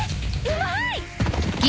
うまい。